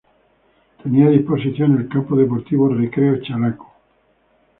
Tenía a disposición el campo deportivo Recreo Chalaco.